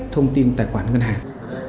thông tin tài khoản ngân hàng